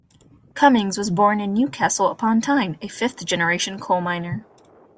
Cummings was born in Newcastle upon Tyne, a fifth generation coal miner.